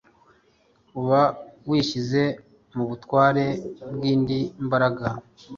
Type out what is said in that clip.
uba wishyize mu butware bw'indi mbaraga.